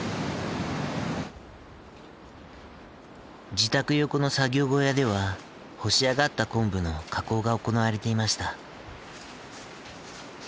自宅横の作業小屋では干しあがったコンブの加工が行われていました。